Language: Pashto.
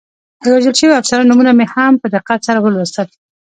د وژل شویو افسرانو نومونه مې هم په دقت سره ولوستل.